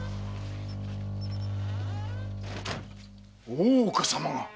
大岡様が？